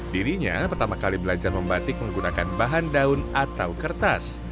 dirinya pertama kali belajar membatik menggunakan bahan daun atau kertas